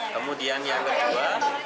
kemudian yang kedua